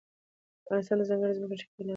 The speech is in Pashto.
افغانستان د ځانګړي ځمکني شکل له امله شهرت لري.